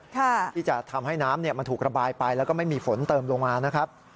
ที่จะทำให้น้ำมันถูกระบายไปแล้วก็ไม่มีฝนเติมลงมานะครับ